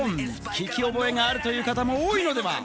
聞き覚えがあるという方も多いのでは？